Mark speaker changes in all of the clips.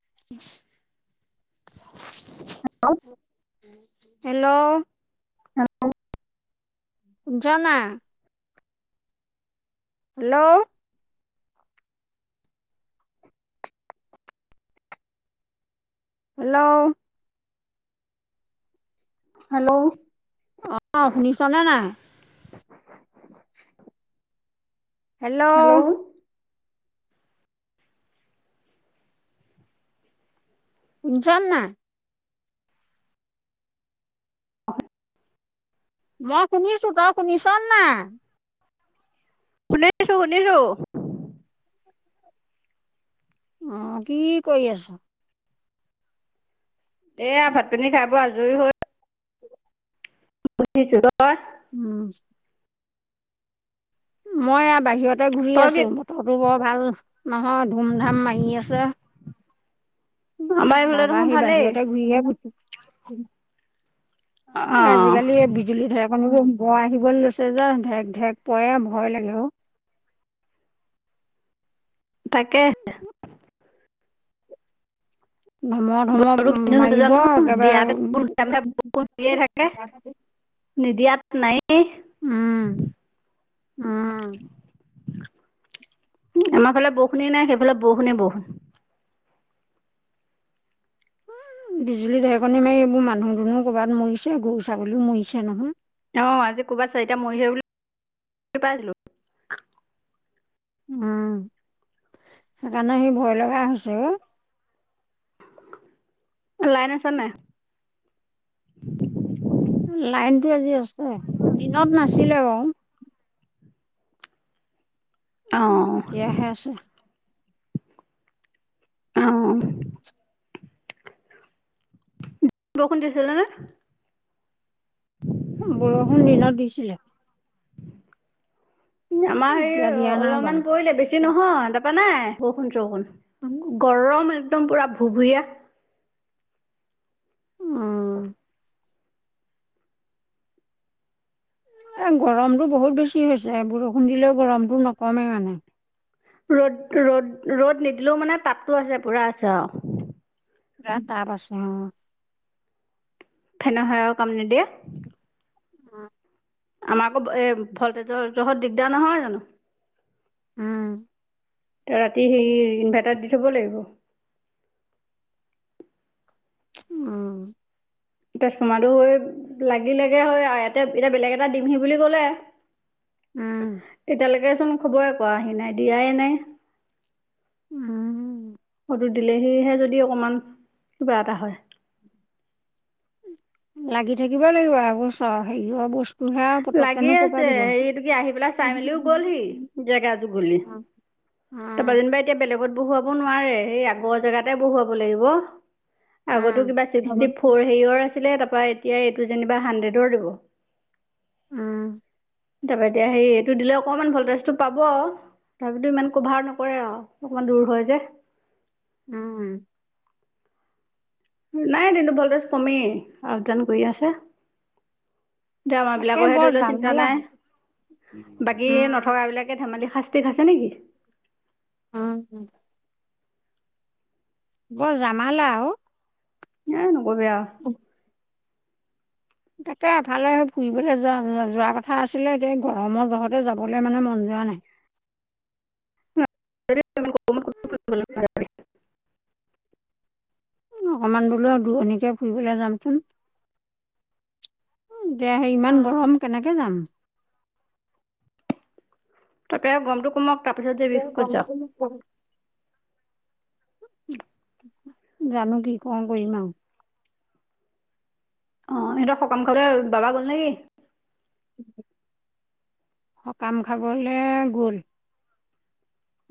Speaker 1: [inaudible]
Speaker 2: Hello!
Speaker 1: Hello!
Speaker 2: [inaudible]
Speaker 1: [unintelligible] Hello hello!
Speaker 2: Hello!
Speaker 1: অ শুনিছনে নাই, হেল্ল'! শুনিছনে নাই? মই শুনিছো তই শুনিছ নে নাই?
Speaker 2: শুনিছো শুনিছো?
Speaker 1: অ কি কৰি আছ?
Speaker 2: এয়া ভাত পানী খাই বৈ আজৰি হৈ, বহিছো তই
Speaker 1: উম! মই এয়া বাহিৰতে ঘূৰি
Speaker 2: তই কি
Speaker 1: আছো বতৰটো বৰ ভাল নহয় ধুম ধাম মাৰি আছে। উ
Speaker 2: আমাৰ এইফালে
Speaker 1: তাৰপা
Speaker 2: দেখোন
Speaker 1: সেই
Speaker 2: ভালেই
Speaker 1: বাহিৰতে ঘূৰি
Speaker 2: অ
Speaker 1: [unintelligible] আজিকালি বিজুলী ধেৰেক [unintelligible] [unintelligible] বৰ আহিবলৈ লৈছে যে ঢেক ঢেক পৰে ভয় লাগে অ
Speaker 2: [inaudible] তাকে
Speaker 1: [inaudible] ধমৰ
Speaker 2: ব
Speaker 1: ধমৰ মাৰিব
Speaker 2: জানো
Speaker 1: একেবাৰে
Speaker 2: দতে থাকে [unintelligible] নিদিয়াত নাইে
Speaker 1: উম, উম।
Speaker 2: আমাৰ ফালে বষুনে নাই সেইফালে বষুনে বষুন।
Speaker 1: বিজুলী ঢেকণী মাৰি এইবোৰ মানুহ দুনুও ক'ৰবাত মৰিছে গৰু ছাগলীও মৰিছে নহয়।
Speaker 2: অ' আজি ক'বাত চ [unintelligible] এতিয়া মই সেই বো [unintelligible] পাইছিলো।
Speaker 1: উম। সেইকাৰণে সি ভয় লগা হৈছো
Speaker 2: লাইন আছ নাই?
Speaker 1: লাইনতটো আজি আছে, দিনত নাছিলে বাৰু।
Speaker 2: অ
Speaker 1: উ', এতিয়া হে আছে।
Speaker 2: অ'হ। কখনোন [unintelligible] দিছিল নে?
Speaker 1: বৰষুণ দিনাত দিছিলে।
Speaker 2: আমাৰ হেৰি
Speaker 1: এতিয়া দিয়া নাই বাৰু।
Speaker 2: অলপমান পৰিলে, বেছি নহয়, তাৰপা নাই। বষুন চষুন, গৰম একদম পুৰা ভুভুীয়া।
Speaker 1: উ'। এ গৰমতটো বহুত বেছি হৈছে, বৰষুণ দিলেও গৰমতটো নকমেই মানে।
Speaker 2: ৰ'দ ৰ'দ ৰ'দ নিদিলেও মানে তাপতটো আছে, পুৰা আছে আৰু।
Speaker 1: ৰা তাৰপছে অ'।
Speaker 2: ফেন হেও কাম নিদিয়ে।
Speaker 1: উম।
Speaker 2: আমাৰ আকৌ, এ ভলটেজৰ জহত দিগদাৰ নহয় জানো।
Speaker 1: উম।
Speaker 2: ৰাতি সেই ইনভাৰ্টাৰ দি থব লাগিব।
Speaker 1: উম।
Speaker 2: এতিয়া চোমাটো হৈ লাগি লাগে হয় আৰু, ইতে এতিয়া বেলেগ এটা ডিমহি বুলি ক'লে।
Speaker 1: উম।
Speaker 2: চোন খবৰে কৰাোৱাহি নাই, দিয়াই নাই।
Speaker 1: উম।
Speaker 2: দিলে সেয়হে যদি অকমান, কিবা এটা হয়।
Speaker 1: লাগি থাকিব লাগিব এবোৰ [unintelligible] চ হেৰি বস্তু।
Speaker 2: লাগি আছে, হেৰি তি আহি পেলাই
Speaker 1: উম,
Speaker 2: চাই
Speaker 1: উম,
Speaker 2: মেলিও গলহি, জেগা যোগলি। তাৰপৰা যেনিবা এতিয়া বেলেগত বহুৱাব নোৱাৰে, সে আগৰ জেগাতে বহুৱাব লাগিব। আগতো
Speaker 1: উম,
Speaker 2: কিবা ছিক্সি ফৰ হে আছে ত' [unintelligible] এতিয়া এইটো যেনিবা হাড্ৰেডৰ দিব।
Speaker 1: উম।
Speaker 2: তাৰাপা এতিয়া সেই এইটো দিলে অকমান ভলটজটো পাব। তাপিতো ইমান কভাৰ নকৰে আৰু অকমান দূৰ হয় যে।
Speaker 1: উম।
Speaker 2: নাই ণু [unintelligible] ভলদাস কমেই, আপ-দাওন কৰি আছে। ড্ৰামাৰ
Speaker 1: তাকে
Speaker 2: বিলাকৰহে
Speaker 1: বৰ
Speaker 2: ধৰি লও চিন্তা
Speaker 1: জামালা
Speaker 2: নাই।
Speaker 1: উম,
Speaker 2: বাকী নথকা বিলাকে ধেমালি শাস্তি খাইছে নেকি।
Speaker 1: উ। বৰ জমালা ও।
Speaker 2: এ নকবি আও।
Speaker 1: তাকে এফালে ফুৰিবলৈ যোৱা যোৱা কথা আছিলে, এতিয়া গৰমৰ জহতে যাবলৈ মানে মন যোৱা নাই।
Speaker 2: উ। [inaudible] [unintelligible]
Speaker 1: অকমান বুলো দূৰণিকে ফুৰিবলে যামচোন। উম, দে হেৰি
Speaker 2: অ
Speaker 1: ইমান গৰম কেনেকে যাম।
Speaker 2: তাকে গমটো কমক তাৰপিছত যে ৰিক যাম।
Speaker 1: জানো কি কও কৰিম আৰু।
Speaker 2: অ' ইহতৰ সকাম খাবলে বাবা গল নেকি?
Speaker 1: সকাম খাবলে গল।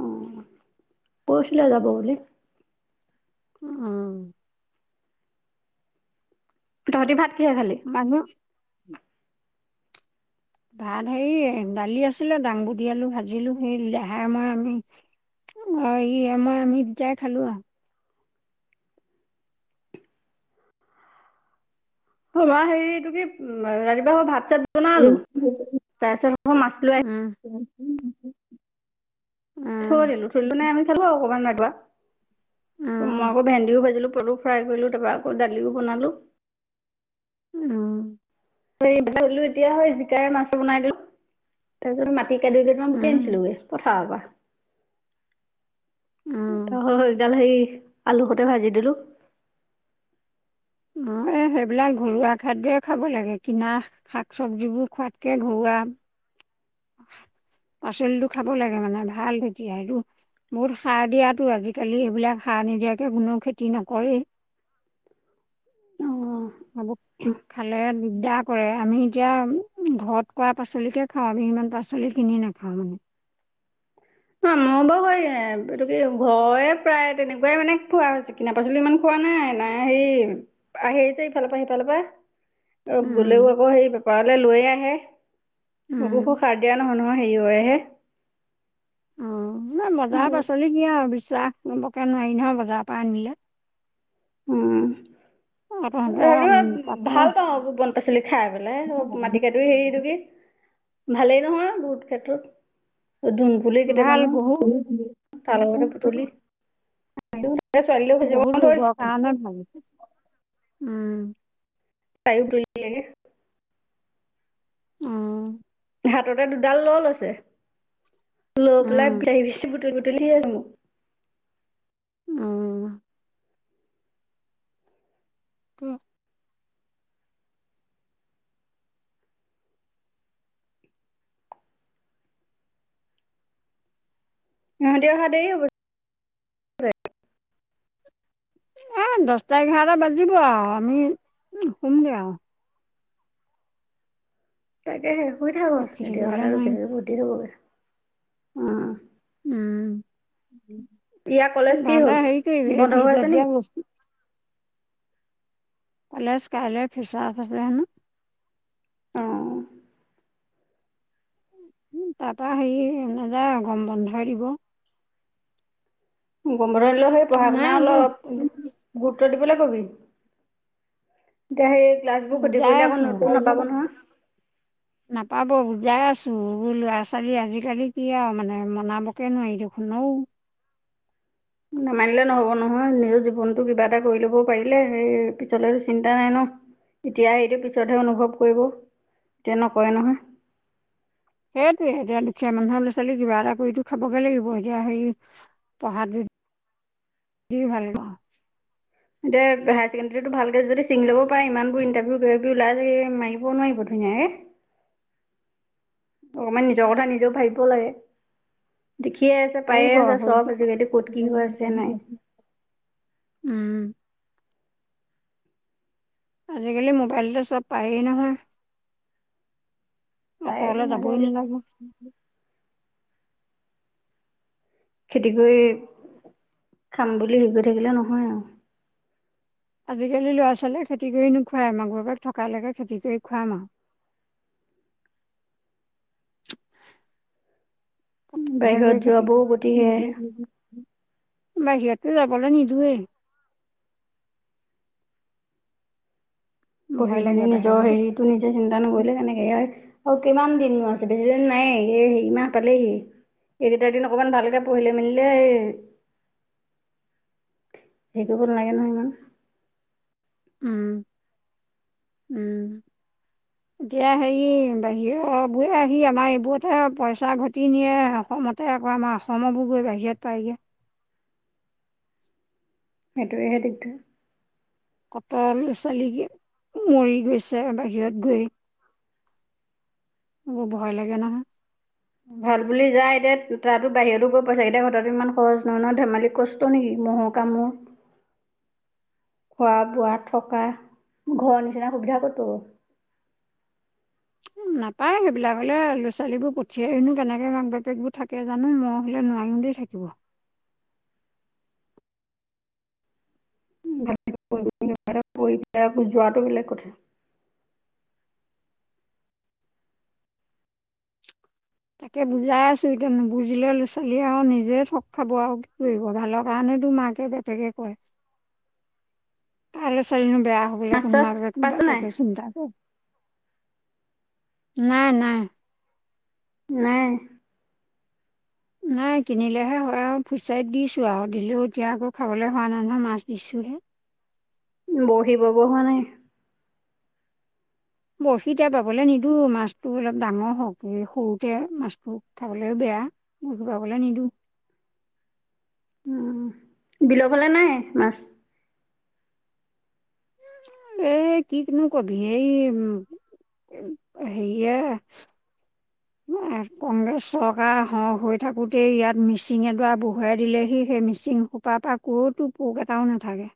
Speaker 2: অ' পৰহিলে যাব বুলি।
Speaker 1: অ'।
Speaker 2: তহতি ভাত কিহে খালি।
Speaker 1: মানুহ ভাত হেৰি দালি আছিলে দাংবুধি আলু ভাজিলো সেই দেহাই মই আমি অ' ই আমাৰ আমি দুটাই খালো আও।
Speaker 2: আমাৰ হেৰি টো কি ৰাতিপুৱা ভাত চাত। বনালোঁ তাৰপিছত আকৌ মাছ লৈ
Speaker 1: [unintelligible]
Speaker 2: থৈ দিলো- থৈ দিলো মানে আমি খালো আও অকমান ৰাতিপুৱা,
Speaker 1: উম
Speaker 2: মই
Speaker 1: উম
Speaker 2: আকৌ ভেন্দিও ভাজিলো। পটলো ফ্ৰাই কৰিলো তাৰপৰা আকৌ দালিও বনালো।
Speaker 1: উম।
Speaker 2: বনাই থৈ দিলো এতিয়া হয় জিকাই মাছতো বনাই দিলো তাৰপিছত মা ঢেঁকীয়া দুদিল মান বিচাৰি
Speaker 1: উম
Speaker 2: আনিলো পথাৰৰপা সেই
Speaker 1: উম
Speaker 2: গিডাল আলু সতে ভাজি দিলো।
Speaker 1: অ' সেইবিলাক ঘৰুৱা খাদ্যই খাব লাগে কিনা শাক চবজিবোৰ খোৱাতকে ঘৰুৱা।
Speaker 2: [inaudible]
Speaker 1: পাচলিটো খাব লাগে মানে ভাল ঢেঁকীয়াতো। বহুত সাৰ দিয়াতো আজিকালি এইবিলাক সাৰ নিদিয়াকে কোনেও খেতি নকৰে। হ'ব
Speaker 2: অ
Speaker 1: খালে দিগদাৰ কৰে আমি এতিয়া ঘৰত কৰা পাছলিকে খাও আমি। ইমান পাচলি কিনি নাখাও মানে।
Speaker 2: অ' মই বাৰু এইতো কি ঘৰে প্ৰায় তেনেকুৱাই মানে খোৱা হৈছে কিনা পাচলি ইমান খোৱা মানে নাই হেৰি আহিছে ইফালৰ পৰা সিফালৰ পৰা। অ' গলেও
Speaker 1: উম
Speaker 2: আকৌ সেই বেপাৰলৈ লৈয়ে আহে সেইবোৰতো
Speaker 1: উম
Speaker 2: সাৰ দিয়া নহয় নহয়। অ' হেৰি হয়হে।
Speaker 1: অ' নাই বজাৰৰ পাচলি কি আৰু বিশ্বাস কৰিবকে নোৱাৰি নহয় বজাৰৰ পৰা আনিলে।
Speaker 2: উম।
Speaker 1: [unintelligible]
Speaker 2: আৰু
Speaker 1: উম তাতে
Speaker 2: ভাল পাওঁ বন পাচলি খাই পেলাই মাটি কাটোৰি হেৰিটো কি ভালেই নহয় বহুত ক্ষেত্ৰত। দুনপুলি
Speaker 1: ভাল
Speaker 2: কেইটামানো
Speaker 1: বহুত
Speaker 2: তাৰ লগতে বুটলি। ছোৱালীলৈও ভাজিব
Speaker 1: বহুত ৰোগৰ
Speaker 2: ধৰিছোঁ
Speaker 1: কাৰণে ভাল, উম।
Speaker 2: তাইয়ো বুতলি দিলেগে।
Speaker 1: উম।
Speaker 2: হাততে দুডাল লৈ লৈছে লৈ, পেলাই
Speaker 1: উম
Speaker 2: [unintelligible] তই বুটলিয়ে হল।
Speaker 1: অ'। [unintelligible]
Speaker 2: সিহতি অহা দেৰি ছাগে [unintelligible]
Speaker 1: এ দচটা এঘাৰটা বাজিব আও আমি উম সোমগে আও।
Speaker 2: তাকেহে শুই থাকো,
Speaker 1: ৰখি
Speaker 2: ইহঁতি
Speaker 1: থাকিবলৈ
Speaker 2: অহালে ৰখি
Speaker 1: নোৱাৰিম
Speaker 2: থাকিলে বহুত দেৰি হ'বগে। উম।
Speaker 1: উম
Speaker 2: ইয়াৰ কলেজ কি
Speaker 1: তহঁতে
Speaker 2: হ'ল,
Speaker 1: হেৰি কৰিবি এই
Speaker 2: বন্ধৰ হৈ
Speaker 1: ফ্ৰিজত
Speaker 2: আছে
Speaker 1: দিয়া
Speaker 2: নেকি?
Speaker 1: বস্তু কলেজ কাইলৈ ফ্ৰেছাৰ্ছ আছে হেনো।
Speaker 2: অঁ
Speaker 1: তাৰপৰা হেৰি নাযায় আও গৰম বন্ধই দিব।
Speaker 2: গম বন্ধ দিলেও সেই পঢ়া
Speaker 1: নাই
Speaker 2: শুনা
Speaker 1: এইবোৰ
Speaker 2: অলপ তই দিবলৈ কবি। এতিয়া হেই ক্লাছবো ক্ষতি
Speaker 1: বুজাই
Speaker 2: কৰিলে আকৌ
Speaker 1: আছো
Speaker 2: নোটবো নাপাব নহয়।
Speaker 1: যাই আছো। ল'ৰা ছোৱালী-আজিকালি কি আও মানে মনাবকে নোৱাৰি দেখোন ঔ।
Speaker 2: নামানিলে নহ'ব নহয়। নিজ জীৱনতটো কিবা এটা কৰি ল'ব পাৰিলে হেই পিছলেতো চিন্তা নাই ন। এতিয়া হেইটো পিছতহে অনুভৱ কৰিব। এতিয়া নকৰে নহয়।
Speaker 1: সেইটোৱে এতিয়া দুখীয়া মানুহৰ ল'ৰা-ছোৱালী কিবা এটা কৰিতো খাবগে লাগিব এতিয়া হেই পঢ়াটো, দি ভাল পাওঁ।
Speaker 2: এয়া হাই ছেকেণ্ডেৰীটো ভালকে যদি চিং ল'ব পাৰে ইমানবোৰ ইণ্টাভিউ কিবা কিবি ওলাই আছে সি মাইব নোৱাৰিব ধুনীয়াকে? [inaudible] অকমান নিজৰ কথা নিজেও ভাবিব লাগে। দেখিয়ে আছে, পায়ে
Speaker 1: পাৰিব
Speaker 2: আছে চব আজি কালি ক'ত কি হৈ আছে নাই?
Speaker 1: উম। আজিকালি মোবাইলতে চব পায়েই নহয়।
Speaker 2: পায় একো
Speaker 1: আতলৈ যাবই
Speaker 2: নাজানো
Speaker 1: নালাগে।
Speaker 2: খেতি কৰি খাম বুলি হেই কই থাকিলে নহয় আও।
Speaker 1: আজিকালি ল'ৰা-ছোৱালীয়ে খেতি কৰি নোখোৱাই। মাক-বাপেক থকালৈকে খেতি কৰি খোৱাম আও।
Speaker 2: [inaudible] বাহিৰত যোৱাবোৰো গতি সেয়াহে
Speaker 1: [unintelligible] বাহিৰটো যাবলৈ নিদোৱে।
Speaker 2: পঢ়ি
Speaker 1: ভয়
Speaker 2: শুনি
Speaker 1: লাগে
Speaker 2: নিজৰ
Speaker 1: বাহিৰলৈ
Speaker 2: হেৰিটো
Speaker 1: পঠিয়ালে।
Speaker 2: নিজে চিন্তা নকৰিলে কেনেকে। এয়াই অ' কিমান দিননো আছে, বেছি দিন নায়ে, এ হেই মাহ পালেহি। একেইটা দিন অকমান ভালকে পঢ়িলে মেলিলে এই হেই কৰিব নালাগে নহয় ইমান।
Speaker 1: উম। উম
Speaker 2: [inaudible]
Speaker 1: এতিয়া হেই বাহিৰবোৰে আহি আমাৰ এইবোৰতহে পইচা ঘটি নিয়ে আক'। সমতহে আকৌ আমাৰ অসমবো-বোয়ে বাহিৰত পায়গে।
Speaker 2: হেটোৱেহে দিগদা।
Speaker 1: ক'তল ছোৱালী কি, মৰি গৈছে বাহিৰত গৈ। এবো ভয় লাগে নহয়।
Speaker 2: ভাল বুলি যায়, এতিয়া তাতো বাহিৰতো গৈ পইচা কেইটা ঘটাটো ইমান খৰচ নহয় নহয় ধেমালি কষ্ট নেকি মহ কামোৰ। খোৱা বোৱা, থকা ঘৰৰ নিচিনা সুবিধা ক'ত পাব।
Speaker 1: উম নাপায় সেইবিলাক হ'লেও ল ছালীবোৰ পঠিয়াইনো কেনেকে মাক বাপেকবো থাকে জানো মই হলে নোৱাই সন্দেহ থাকিব।
Speaker 2: [inaudible] [unintelligible] কই পেলাই যোৱাটো বেলেগ কথা।
Speaker 1: তাকে বুজাই আছো এতিয়া নুবুজিলে ল ছালীয়ে আও নিজে ঠগ খাব আও কি কইব ভালৰ কাৰণে এটো মাকে বাপেকে কয়।
Speaker 2: [inaudible]
Speaker 1: কা নো ছোৱালীনো বেয়া হ'বলৈ
Speaker 2: মাছ
Speaker 1: কোন
Speaker 2: চাছ পাইছ নাই
Speaker 1: মাক-বাপেকে চিন্তা কৰে। নাই, নাই।
Speaker 2: নাই।
Speaker 1: নাই কিনিলেহে হয় আও। ফিচাইত দিছো আও দিলেও এতিয়া আকৌ খাবলৈ হোৱা নাই নহয়। মাছ দিছো উহে।
Speaker 2: বহি বাব হোৱা নাই?
Speaker 1: বশি এতিয়া বাবলে নিদো। মাছতটো অলপ ডাঙৰ হওঁক এই সৰুতে মাছটো খাবলৈও বে য়া বশি বাবলৈ নিদো।
Speaker 2: উ। বিলফালে নাই মাছ?
Speaker 1: এ, কি কিনো কবি, এই, উ। [unintelligible] [unintelligible] কংগ্ৰেছ চৰকাৰ খন হৈ থাকোতেই ইয়াত মিচিং এডৰা বঢুৱাই দিলেহি সেই মিচিং সোপা পৰা কতো পোক এটাও নাথাকে।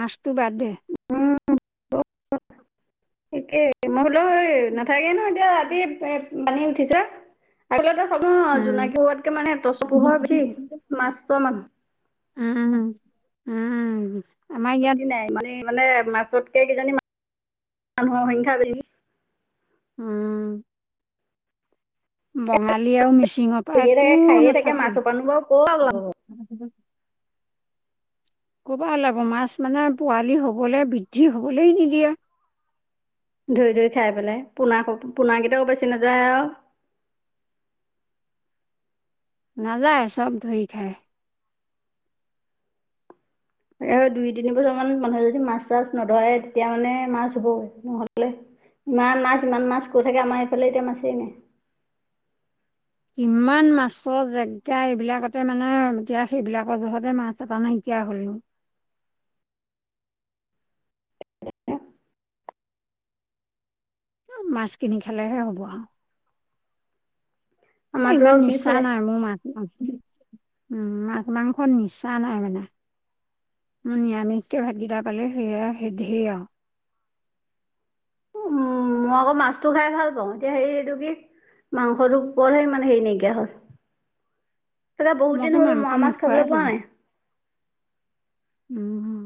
Speaker 1: মাছটো বাদে।
Speaker 2: [unintelligible] [unintelligible] মই [unintelligible] নাথাকেই নহয়, এতিয়া ৰাতি পানী [unintelligible] [unintelligible] [unintelligible]
Speaker 1: উম
Speaker 2: জোনাকী হোৱাতকে মানে, টচ পোহৰ [unintelligible]
Speaker 1: উম, উম, উম, উম।
Speaker 2: ক্ষতি নাই, মানে মানে মাছতকে কিজানি [unintelligible] মানুহৰ সংখ্যা [unintelligible]
Speaker 1: উম বঙালী আৰু মিচিঙৰ পৰা
Speaker 2: কৰিয়ে
Speaker 1: একো
Speaker 2: থাকে খায়ে থাকে
Speaker 1: নাথাকে।
Speaker 2: মাছৰ পানো বাৰু ক'ৰ আৰু ওলাব
Speaker 1: ক'পা ওলাব মাছ মানে, পোৱালি হ'বলৈ বৃদ্ধি হবলৈ নিদিয়ে।
Speaker 2: ধুই ধুই খাই পেলাই, পোনা-পোনাকেইটাও বাচি নাযায় আৰু। [inaudible]
Speaker 1: নাযায়, চব ধৰি খাই।
Speaker 2: এ দুই তিনি বছৰ মান মানুহে যদি মাছ চাছ নধৰে, তেতিয়া মানে মাছ হ'ব নহলে ইমান মাছ, ইমান মাছ কৈ থাকে আমাৰ এইফালে এতিয়া মাছেই নাই।
Speaker 1: ইমান মাছৰ জেগা এইবিলাকতে মানে, এতিয়া সেইবিলাকৰ যহতে মাছ এটা নাইকিয়া [unintelligible]
Speaker 2: [inaudible]
Speaker 1: মাছ কিনি খালেহে হ'ব আৰু।
Speaker 2: আমাৰতো
Speaker 1: ইমান
Speaker 2: আৰু কি
Speaker 1: নিচা
Speaker 2: খুৱাই
Speaker 1: নাই মোৰ [unintelligible] উম, মাছ মাংস নিচা নাই মানে। মোৰ নিৰামিষকৈ ভাতকেইটা পালে, সেয়া সেধেই আৰু।
Speaker 2: মই আকৌ মাছটো খাই ভাল পাওঁ, এতিয়া হেই এইটো কি মাংসটো ওপৰতহে ইমান হেৰি নাইকিয়া হ'ল। তাতে বহুত
Speaker 1: মইতো
Speaker 2: দিন হ'ল,
Speaker 1: মাংস
Speaker 2: মোৱা মাছ
Speaker 1: নোখোৱাই
Speaker 2: খাবলৈ পোৱা
Speaker 1: হ'লো
Speaker 2: নাই।
Speaker 1: উম।